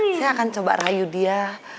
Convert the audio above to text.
saya akan coba rayu dia